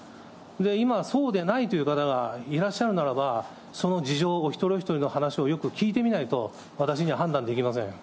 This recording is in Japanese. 今、そうでないという方がいらっしゃるならば、その事情を、お一人お一人の話をよく聞いてみないと、私には判断できません。